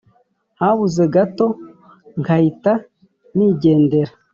Habuze gato nkahita nigendera